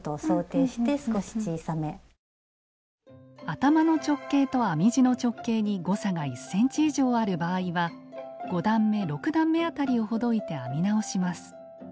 頭の直径と編み地の直径に誤差が１ｃｍ以上ある場合は５段め６段め辺りをほどいて編み直します。